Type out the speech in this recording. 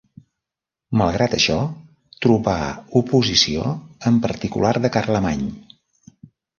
Malgrat això trobà oposició, en particular de Carlemany.